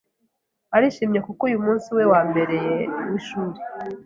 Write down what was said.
arishimye kuko uyumunsi we wambere wishuri.